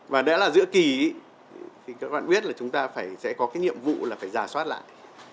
và đấy là giữa kỷ thì các bạn biết là chúng ta sẽ có cái nhiệm vụ là phải giả soát lại